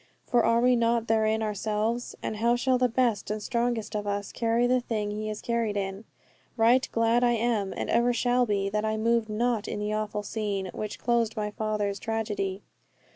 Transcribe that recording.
For are we not therein ourselves; and how shall the best and strongest of us carry the thing he is carried in? Right glad I am, and ever shall be, that I moved not in the awful scene, which closed my father's tragedy.